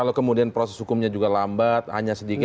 kalau kemudian proses hukumnya juga lambat hanya sedikit